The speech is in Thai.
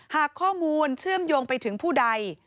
หากข้อมูลเชื่อมโยงไปถึงผู้ใด